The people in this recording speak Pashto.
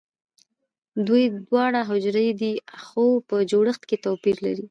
دوی دواړه حجرې دي خو په جوړښت کې توپیر لري